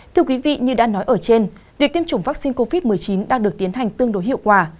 thưa quý vị như đã nói ở trên việc tiêm chủng vaccine covid một mươi chín đang được tiến hành tương đối hiệu quả